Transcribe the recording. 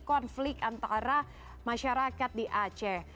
konflik antara masyarakat di aceh